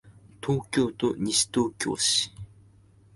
東京都西東京市